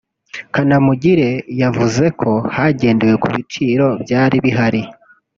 Kanamugire yavuze ko hagendewe ku biciro byari bihari